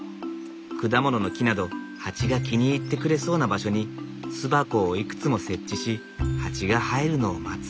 果物の木などハチが気に入ってくれそうな場所に巣箱をいくつも設置しハチが入るのを待つ。